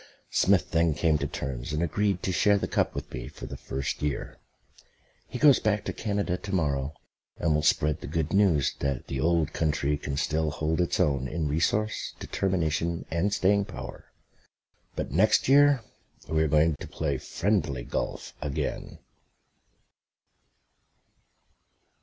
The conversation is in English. Smith then came to terms and agreed to share the cup with me for the first year. He goes back to Canada to morrow, and will spread the good news there that the Old Country can still hold its own in resource, determination and staying power. But next year we are going to play friendly golf again.